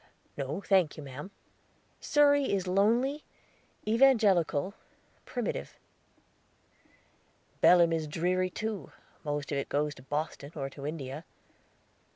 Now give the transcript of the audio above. "No, thank you, mam." "Surrey is lonely, evangelical, primitive." "Belem is dreary too; most of it goes to Boston, or to India."